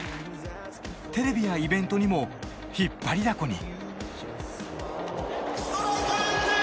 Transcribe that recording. テレビやイベントにも引っ張りだこに。